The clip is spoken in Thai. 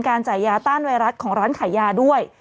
จ่ายยาต้านไวรัสของร้านขายยาด้วย